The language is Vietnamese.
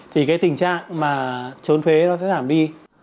thì cái tình trạng mà trốn thuế nó sẽ giảm đi